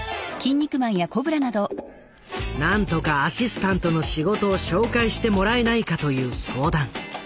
なんとかアシスタントの仕事を紹介してもらえないかという相談。